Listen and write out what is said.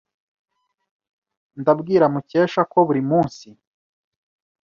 Ndabwira Mukesha ko burimunsi.